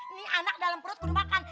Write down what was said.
ini anak dalam perut pun makan